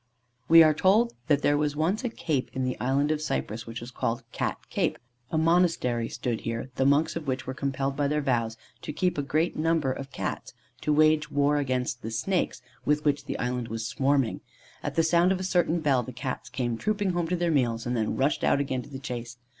We are told that there was once a Cape in the Island of Cyprus, which was called Cat Cape. A monastery stood here, the monks of which were compelled by their vows to keep a great number of Cats, to wage war against the snakes, with which the Island was swarming. At the sound of a certain bell the Cats came trooping home to their meals, and then rushed out again to the chase.